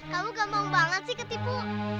kamu gampang banget sih ketipu